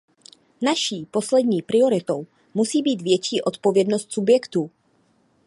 Naší poslední prioritou musí být větší odpovědnost subjektů.